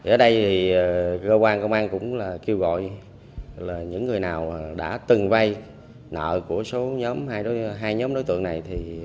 ở đây cơ quan công an cũng kêu gọi những người nào đã từng vai nợ của hai nhóm đối tượng này